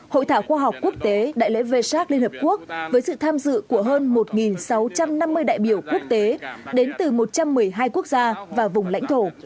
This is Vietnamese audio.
hội thảo khoa học quốc tế đại lễ vê sác liên hợp quốc với sự tham dự của hơn một sáu trăm năm mươi đại biểu quốc tế đến từ một trăm một mươi hai quốc gia và vùng lãnh thổ